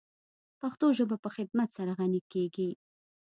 پښتو ژبه په خدمت سره غَنِی کیږی.